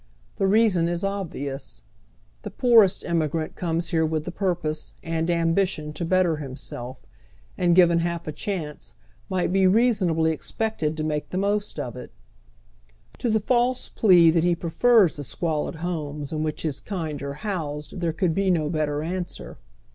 The reason is obvious. Tlie poorest immigrant comes hero with tlie purpose and ambition to better him self and, given Iialf a chance, might be reasonably expected to make the most of it. To tlie false plea that he prefers the squalid homes in which his kind are housed there could bo no better answer.